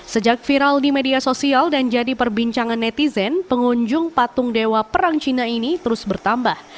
sejak viral di media sosial dan jadi perbincangan netizen pengunjung patung dewa perang cina ini terus bertambah